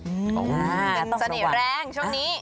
เป็นเสน่ห์แรงช่วงนี้